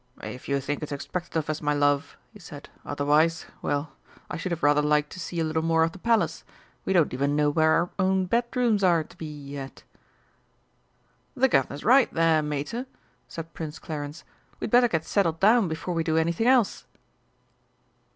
"If you think it's expected of us, my love," he said. "Otherwise well, I should have rather liked to see a little more of the Palace; we don't even know where our own bedrooms are to be yet." "The Guv'nor's right there, Mater!" said Prince Clarence. "We'd better get settled down before we do anything else."